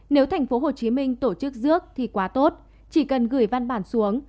nếu thành phố hồ chí minh tổ chức rước thì quá tốt chỉ cần gửi văn bản xuống